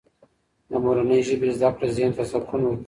د مورنۍ ژبې زده کړه ذهن ته سکون ورکوي.